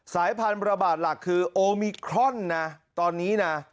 สายพันธุระบาดหลักคือโอมิครอนนะตอนนี้นะ